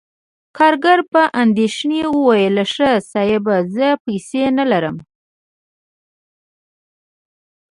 کارګر په اندیښنې وویل: "ښه، صاحب، زه پیسې نلرم..."